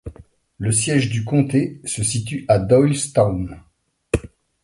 Le siège du comté se situe à Doylestown.